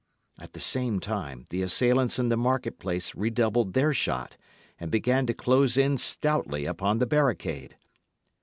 At the same time, the assailants in the market place redoubled their shot, and began to close in stoutly upon the barricade.